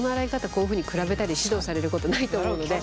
こういうふうに比べたり指導されることないと思うので。